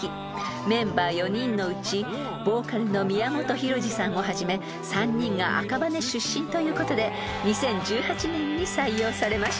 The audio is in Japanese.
［メンバー４人のうちボーカルの宮本浩次さんをはじめ３人が赤羽出身ということで２０１８年に採用されました］